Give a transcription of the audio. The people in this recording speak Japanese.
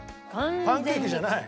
パンケーキじゃない？